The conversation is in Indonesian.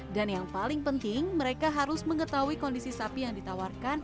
dan yang paling penting mereka harus mengetahui kondisi sapi yang ditawarkan